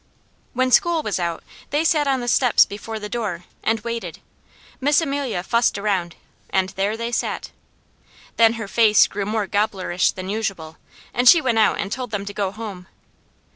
When school was out they sat on the steps before the door and waited. Miss Amelia fussed around and there they sat. Then her face grew more gobblerish than usual, and she went out and told them to go home.